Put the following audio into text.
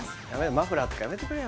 マフラーとかやめてくれよ